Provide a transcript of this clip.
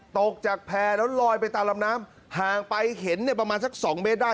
ตกจากแพ้แล้วลอยไปตามลำน้ำหาไปเพียงเห็นประมาณสัก๒เมตรได้